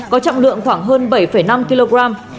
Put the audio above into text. có trọng lượng khoảng hơn bảy năm kg